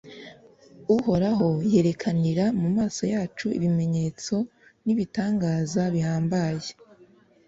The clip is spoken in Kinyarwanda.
uhoraho yerekanira mu maso yacu ibimenyetso n’ibitangaza bihambaye